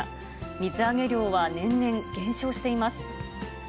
水揚げ量は年々減少しています。